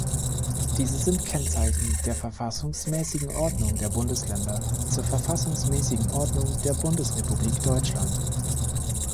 Diese sind Kennzeichen der verfassungsmäßigen Ordnung der Bundesländer zur verfassungsmäßigen Ordnung der Bundesrepublik Deutschland.